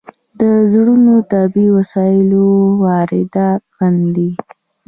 د زړو طبي وسایلو واردات بند دي؟